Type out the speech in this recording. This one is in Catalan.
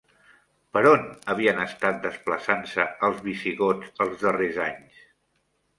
Per on havien estat desplaçant-se els visigots els darrers anys?